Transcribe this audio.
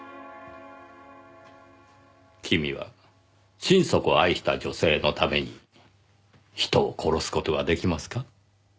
君は心底愛した女性のために人を殺す事が出来ますか？